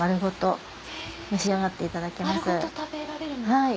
はい。